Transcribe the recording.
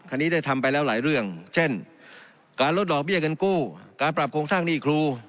ได้ทำไปแล้วหลายเรื่องเช่นการลดดอกเบี้ยเงินกู้การปรับโครงสร้างหนี้ครู